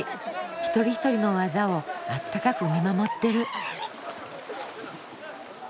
一人一人の技をあったかく見守ってる。